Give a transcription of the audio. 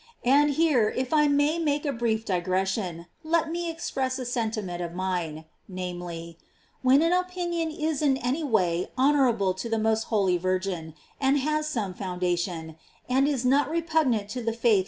And here, if I may make a brief digression, let me express a senti ment of mine, namely: when an opinion is in any way honorable to the most holy Virgin, and has some foundation, and is not repugnant to the * In me omnis spes vitae et virtutls.